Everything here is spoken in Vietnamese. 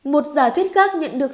một giả thuyết khác nhận được